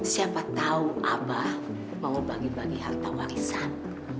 siapa tahu abah mau bagi bagi harta warisan